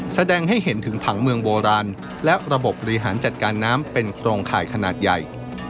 แสดงให้เห็นถึงผังเมืองโบราณและระบบบบริหารจัดการน้ำเป็นโครงข่ายขนาดใหญ่